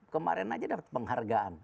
kemarin aja dapat penghargaan